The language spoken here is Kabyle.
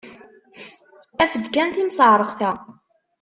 Af-d kan timseɛṛeqt-a!